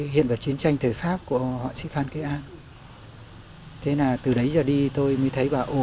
hiện vật chiến tranh thời pháp của họa sĩ phan kế an thế là từ đấy giờ đi tôi mới thấy bà ô